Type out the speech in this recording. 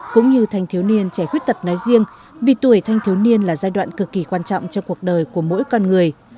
cũng như thanh thiếu niên trẻ khuyết tật nói riêng vì tuổi thanh thiếu niên là giai đoạn cực kỳ quan trọng cho cuộc đời của mỗi con người